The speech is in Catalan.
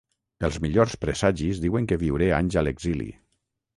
Els millors presagis diuen que viuré anys a l’exili.